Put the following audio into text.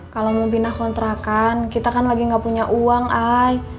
kalau mau pindah kontrakan kita kan lagi nggak punya uang i